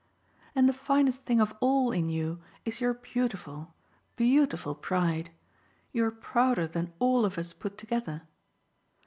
"And the finest thing of all in you is your beautiful, beautiful pride! You're prouder than all of us put together."